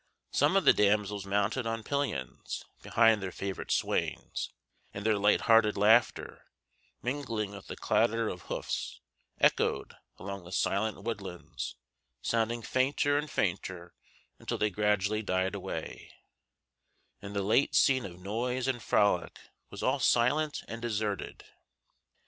Some of the damsels mounted on pillions behind their favorite swains, and their light hearted laughter, mingling with the clatter of hoofs, echoed along the silent woodlands, sounding fainter and fainter until they gradually died away, and the late scene of noise and frolic was all silent and deserted.